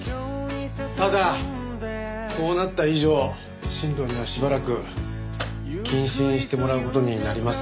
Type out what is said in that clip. ただこうなった以上新藤にはしばらく謹慎してもらう事になります。